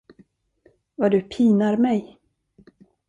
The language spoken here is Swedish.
Vad du pinar mig!